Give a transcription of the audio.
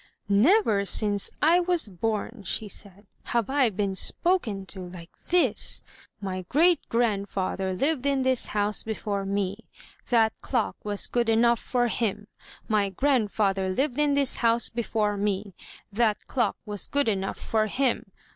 "Never, since I was bom," she said, "have I been spoken to like this! My 265 MY BOOK HOUSE great grandfather lived in this house before me; that clock was good enough for him! My grandfather lived in this house before me; that clock was good enough for him!